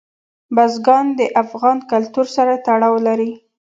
بزګان د افغان کلتور سره تړاو لري.